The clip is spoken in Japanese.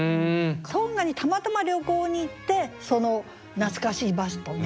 トンガにたまたま旅行に行ってその懐かしいバスと巡り合った。